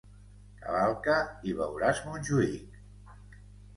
Cavalca, i veuràs Montjuïc!